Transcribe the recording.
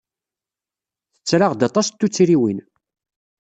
Tetter-aɣ-d aṭas n tuttriwin.